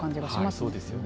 そうですよね。